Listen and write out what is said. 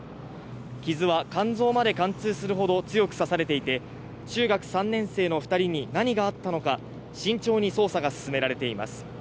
傷は肝臓まで貫通するほど強く刺されていて中学３年生の２人に何があったのか慎重に捜査が進められています。